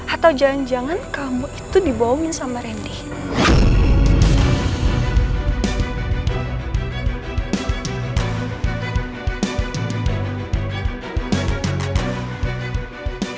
atau jangan jangan kamu itu dibohongin sama randy